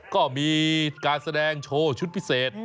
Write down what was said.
ก็มีการแสดงโชว์ชุดพิเศษ